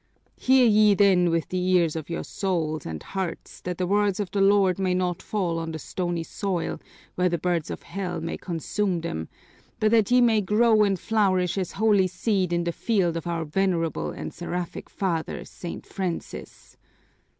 Hear ye then with the ears of your souls and hearts that the words of the Lord may not fall on the stony soil where the birds of Hell may consume them, but that ye may grow and flourish as holy seed in the field of our venerable and seraphic father, St. Francis!